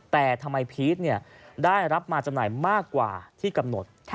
แต่ทำไมพีชได้รับมาจำหน่ายมากกว่าที่กำหนด